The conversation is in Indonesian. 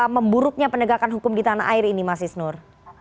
memburuknya penegakan hukum di tanah air ini mas isnur